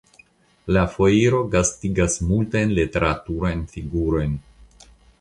La foiro gastigas multajn literaturajn figurojn.